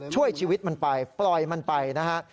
ช่วยชีวิตมันไปปล่อยมันไปนะฮะ